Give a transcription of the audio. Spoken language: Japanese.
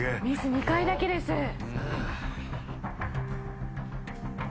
ミス２回だけです。